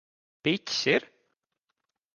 Piķis ir?